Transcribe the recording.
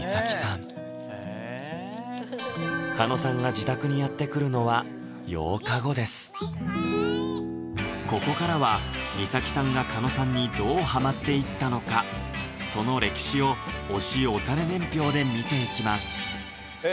自宅にここからは美咲さんが狩野さんにどうハマっていったのかその歴史を推し推され年表で見ていきますえ